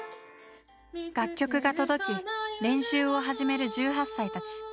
楽曲が届き練習を始める１８歳たち。